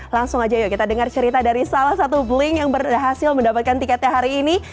langsung aja yuk kita dengar cerita dari salah satu blink yang berhasil mendapatkan tiketnya hari ini